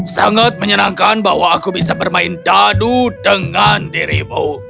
sangat menyenangkan bahwa aku bisa bermain dadu dengan dirimu